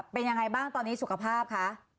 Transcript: เป็นยังไงบ้างตอนนี้สุขภาพคะ